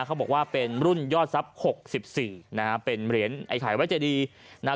เขาบอกว่าเป็นรุ่นยอดทรัพย์๖๔นะฮะเป็นเหรียญไอ้ข่ายวัดเจดีนะฮะ